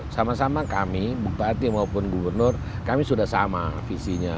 sama sama kami bupati maupun gubernur kami sudah sama visinya